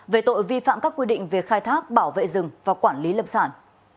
về tội vi phạm các quy định về khai thác bảo vệ rừng và quản lý lập sản